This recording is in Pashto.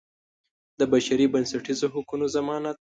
د بشري بنسټیزو حقوقو ضمانت.